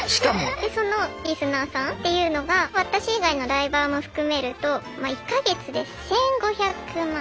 そのリスナーさんっていうのが私以外のライバーも含めると１か月で１，５００万。